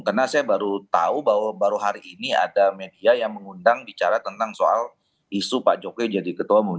karena saya baru tahu bahwa baru hari ini ada media yang mengundang bicara tentang soal isu pak jokowi jadi ketua umum